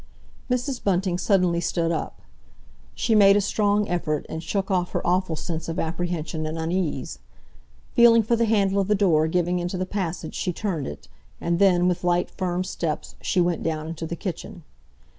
Mrs. Bunting suddenly stood up. She made a strong effort, and shook off her awful sense of apprehension and unease. Feeling for the handle of the door giving into the passage she turned it, and then, with light, firm steps, she went down into the kitchen.